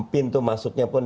pintu masuknya pun